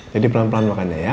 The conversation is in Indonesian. jadi pelan pelan makan ya ya